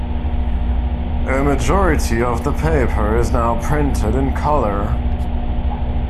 A majority of the paper is now printed in color.